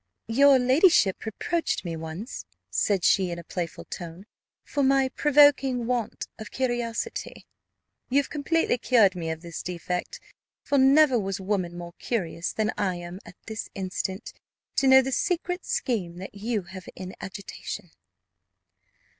"Your ladyship reproached me once," said she, in a playful tone, "for my provoking want of curiosity: you have completely cured me of this defect, for never was woman more curious than I am, at this instant, to know the secret scheme that you have in agitation."